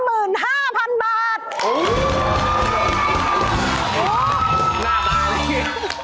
หน้าบ้านนี้